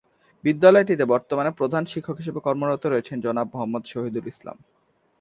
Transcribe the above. বিদ্যালয়টিতে বর্তমানে প্রধান শিক্ষক হিসেবে কর্মরত রয়েছেন জনাব মোহাম্মদ শহীদুল ইসলাম।